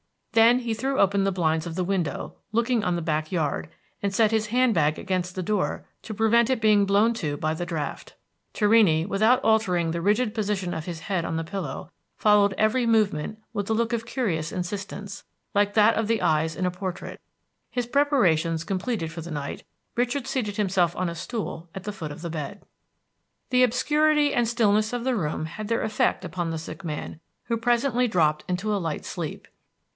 Then he threw open the blinds of the window looking on the back yard, and set his hand bag against the door to prevent it being blown to by the draught. Torrini, without altering the rigid position of his head on the pillow, followed every movement with a look of curious insistence, like that of the eyes in a portrait. His preparations completed for the night, Richard seated himself on a stool at the foot of the bed. The obscurity and stillness of the room had their effect upon the sick man, who presently dropped into a light sleep.